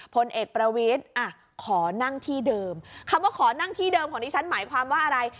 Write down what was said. พลเอกประวิทย์อ่ะขอนั่งที่เดิมคำว่าขอนั่งที่เดิมของดิฉันหมายความว่าอะไร